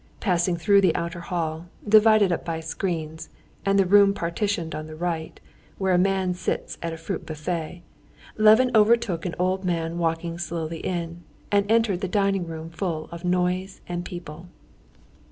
Passing through the outer hall, divided up by screens, and the room partitioned on the right, where a man sits at the fruit buffet, Levin overtook an old man walking slowly in, and entered the dining room full of noise and people.